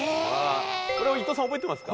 これは伊藤さん覚えてますか？